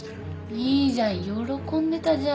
いいじゃん喜んでたじゃん。